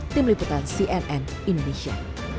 tim liputan cnn indonesia